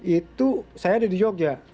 itu saya ada di jogja